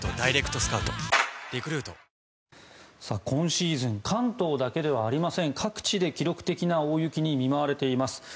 今シーズン関東だけではありません各地で記録的な大雪に見舞われています。